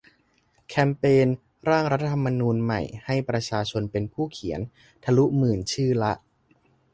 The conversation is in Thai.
แคมเปญ "ร่างรัฐธรรมนูญใหม่ ให้ประชาชนเป็นผู้เขียน" ทะลุหมื่นชื่อละ